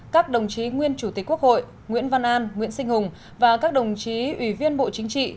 các đồng chí nguyên chủ tịch quốc hội nguyễn văn an nguyễn sinh hùng và các đồng chí ủy viên bộ chính trị